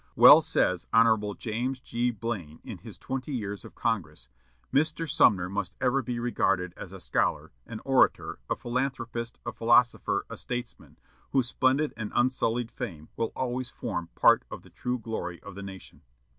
Well says Hon. James G. Blaine, in his "Twenty Years of Congress," "Mr. Sumner must ever be regarded as a scholar, an orator, a philanthropist, a philosopher, a statesman, whose splendid and unsullied fame will always form part of the true glory of the nation."